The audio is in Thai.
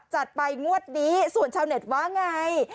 จัดไปงวดนี้ส่วนชาวเน็ตว่าไง